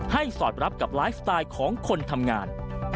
สอดรับกับไลฟ์สไตล์ของคนทำงาน